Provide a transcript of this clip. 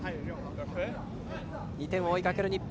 ２点を追いかける日本。